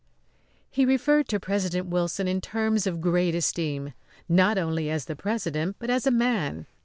He referred to President Wilson in terms of great esteem not only as the President but as a man.